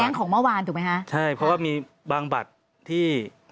ของเมื่อวานถูกไหมคะใช่เพราะว่ามีบางบัตรที่